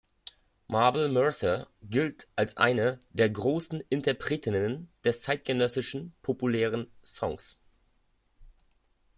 Mabel Mercer gilt als eine der großen Interpretinnen des zeitgenössischen populären Songs.